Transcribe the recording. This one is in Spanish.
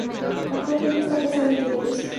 Actualmente está casado y tiene tres hijos.